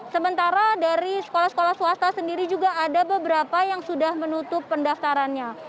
sementara dari sekolah sekolah swasta sendiri juga ada beberapa yang sudah menutup pendaftarannya